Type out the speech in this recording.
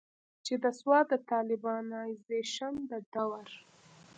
چې د سوات د طالبانائزيشن د دور